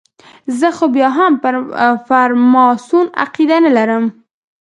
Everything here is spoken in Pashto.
خو زه بیا هم پر فرماسون عقیده نه لرم.